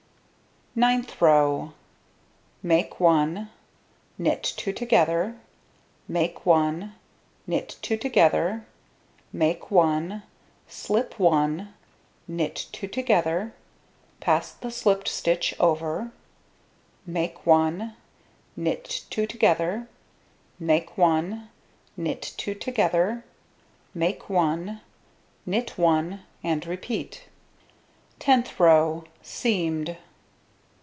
Ninth row: Make 1, knit 2 together, make 1, knit 2 together, make 1, slip 1, knit 2 together, pass the slipped stitch over, make 1, knit 2 together, make 1, knit 2 together, make 1, knit 1, and repeat. Tenth row: Seamed.